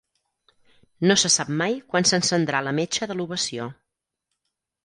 No se sap mai quan s'encendrà la metxa de l'ovació.